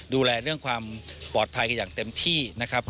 ดูแลเรื่องความปลอดภัยอย่างเต็มที่